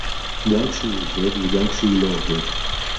גם כשהוא עובד וגם כשהוא לא עובד